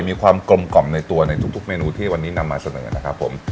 มีความกลมกล่อมในตัวในทุกเมนูที่วันนี้นำมาเสนอนะครับผม